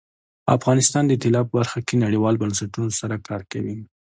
افغانستان د طلا په برخه کې نړیوالو بنسټونو سره کار کوي.